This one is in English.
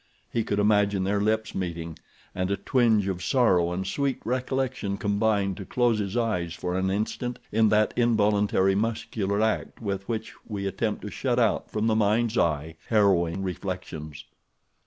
He could imagine their lips meeting, and a twinge of sorrow and sweet recollection combined to close his eyes for an instant in that involuntary muscular act with which we attempt to shut out from the mind's eye harrowing reflections.